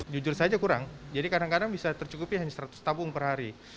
jujur saja kurang jadi kadang kadang bisa tercukupi hanya seratus tabung per hari